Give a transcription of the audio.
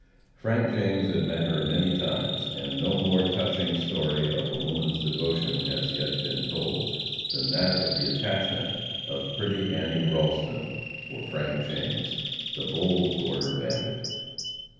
Frank James had met her many times, and no more touching story of woman's devotion has yet been told; than that of the attachment of pretty Annie Ralston for Frank James, the bold border bandit.